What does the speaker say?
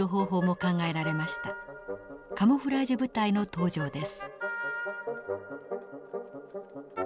カモフラージュ部隊の登場です。